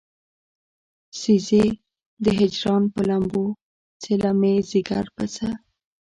سيزې د هجران پۀ لمبو څله مې ځيګر پۀ څۀ